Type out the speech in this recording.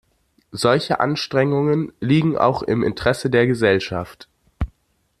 Solche Anstrengungen liegen auch im Interesse der Gesellschaft.